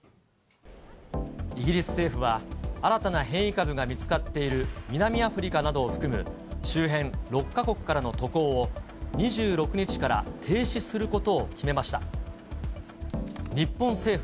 イギリス政府は、新たな変異株が見つかっている南アフリカなどを含む周辺６か国からの渡航を、２６日から停止することを決めました。